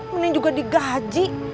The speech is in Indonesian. mending juga digaji